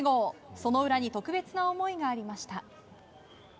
その裏に特別な思いがありました。